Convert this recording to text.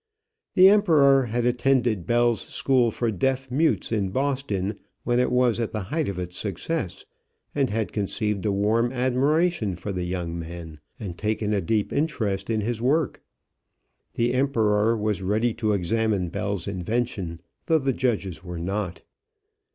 The Emperor had attended Bell's school for deaf mutes in Boston when it was at the height of its success, and had conceived a warm admiration for the young man and taken a deep interest in his work. The Emperor was ready to examine Bell's invention, though the judges were not.